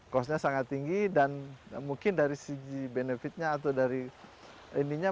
costnya sangat tinggi dan mungkin dari segi benefitnya atau dari ininya